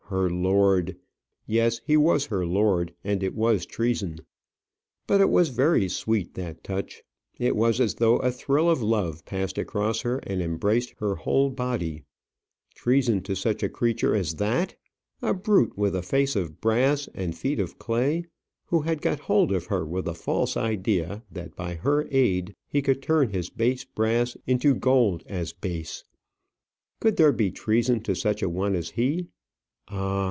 Her lord! Yes, he was her lord, and it was treason. But it was very sweet that touch; it was as though a thrill of love passed across her and embraced her whole body. Treason to such a creature as that! a brute with a face of brass and feet of clay, who had got hold of her with a false idea that by her aid he could turn his base brass into gold as base! Could there be treason to such a one as he? Ah!